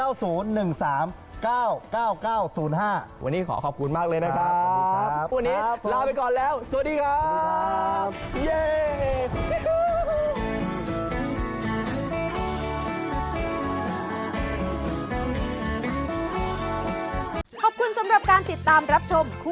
วันนี้ขอขอบคุณมากเลยนะครับ